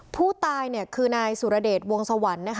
ผู้ตายเนี่ยคือนายสุรเดชวงสวรรค์นะคะ